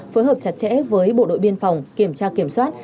phối hợp chặt chẽ với bộ đội biên phòng kiểm tra kiểm soát